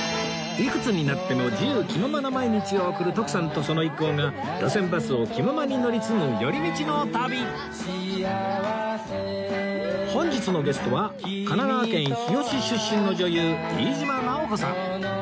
いくつになっても自由気ままな毎日を送る徳さんとその一行が路線バスを気ままに乗り継ぐ寄り道の旅本日のゲストは神奈川県日吉出身の女優飯島直子さん